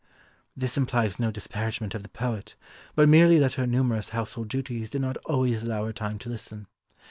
This implies no disparagement of the poet, but merely that her numerous household duties did not always allow her time to listen.